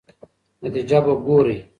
نتیجه به ګورئ.